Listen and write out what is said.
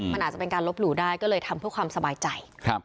มันอาจจะเป็นการลบหลู่ได้ก็เลยทำเพื่อความสบายใจ